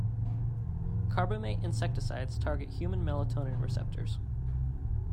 Carbamate insecticides target human melatonin receptors.